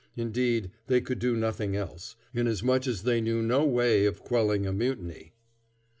Indeed, they could do nothing else, inasmuch as they knew no way of quelling a mutiny.